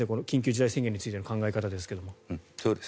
緊急事態宣言についての考え方ですけども。